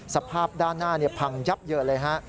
สภาพด้านหน้าพังยับเยินเลยฮะ